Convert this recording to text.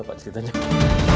pembuatan kursi panas dki satu